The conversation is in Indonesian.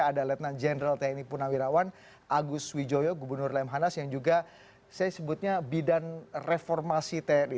ada lieutenant general tni puna wirawan agus wijoyo gubernur lemhanas yang juga saya sebutnya bidan reformasi tni